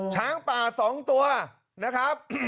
ช้างป่า๒ตัวนะครับ